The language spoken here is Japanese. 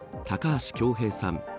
高橋恭平さん